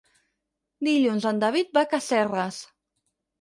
Dilluns en David va a Casserres.